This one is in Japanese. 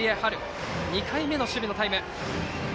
２回目の守備のタイム。